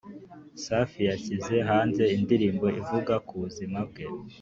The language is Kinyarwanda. safi yashyize hanze indirimbo ivuga kubuzima bwe